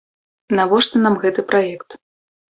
Навошта нам гэты праект?